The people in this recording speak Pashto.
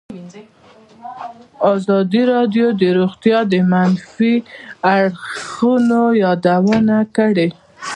ازادي راډیو د روغتیا د منفي اړخونو یادونه کړې.